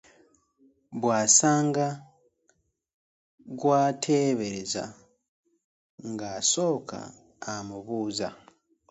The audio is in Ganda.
Bw'asanga gw'ateebereza ng'asooka amubuuza.